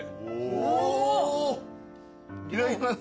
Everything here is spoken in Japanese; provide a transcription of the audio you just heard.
いただきます。